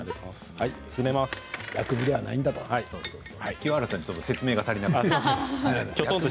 清原さんに説明が足りなかった。